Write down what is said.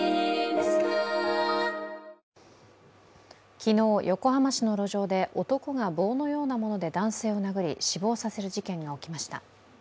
昨日横浜市の路上で男が棒のようなもので男性を殴り死亡させる事故が起きました。